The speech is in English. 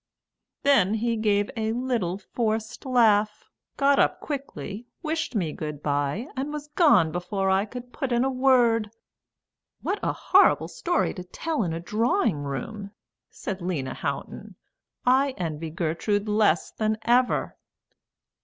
'" "Then he gave a little forced laugh, got up quickly, wished me good bye, and was gone before I could put in a word." "What a horrible story to tell in a drawing room!" said Lena Houghton. "I envy Gertrude less than ever."